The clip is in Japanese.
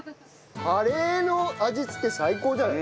カレーの味付け最高じゃない？